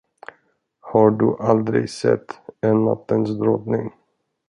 Har du aldrig sett en Nattens drottning?